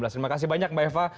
terima kasih banyak mbak eva